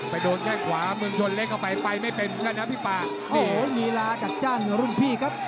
โดนแข้งขวาเมืองชนเล็กเข้าไปไปไม่เป็นเหมือนกันนะพี่ป่าโอ้โหลีลาจัดจ้านรุ่นพี่ครับ